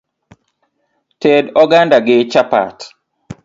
Ted oganda gi chapat.